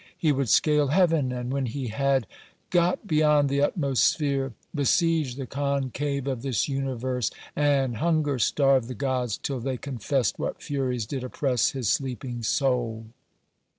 He would scale heaven, and when he had got beyond the utmost sphere, Besiege the concave of this universe, And hunger starve the gods till they confessed What furies did oppress his sleeping soul.